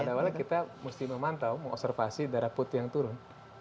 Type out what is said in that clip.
padahal kita mesti memantau mengobservasi darah putih yang turun